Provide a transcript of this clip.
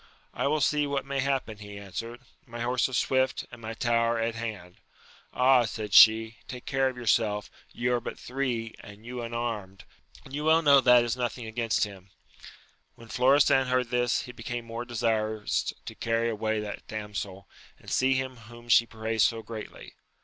I will see what may happen, he answered, my horse is swift, and my tower at hand. Ah, said she, take care of yourself; ye are AMADIS OF GAUL. 245 but three, and you unarmed, and you well know that is nothing against him. When Florestan heard this, he became more desirous to carry away that damsel, and see him whom she praised so greatly.